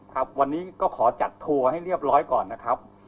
ครับวันนี้ก็ขอจัดทัวร์ให้เรียบร้อยก่อนนะครับ